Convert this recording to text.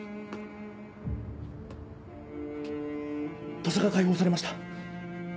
土佐が解放されました。